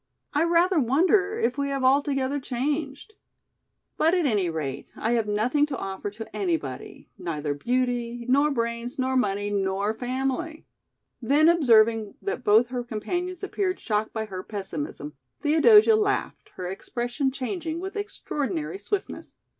I rather wonder if we have altogether changed. But at any rate I have nothing to offer to anybody, neither beauty, nor brains, nor money, nor family." Then observing that both her companions appeared shocked by her pessimism Theodosia laughed, her expression changing with extraordinary swiftness.